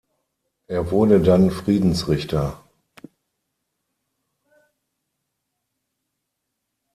Er wurde dann Friedensrichter.